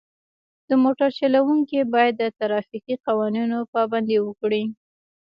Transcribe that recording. د موټر چلوونکي باید د ترافیکي قوانینو پابندي وکړي.